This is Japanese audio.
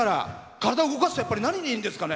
体を動かすとやっぱり何にいいんですかね？